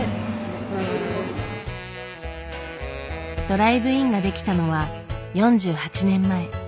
ドライブインが出来たのは４８年前。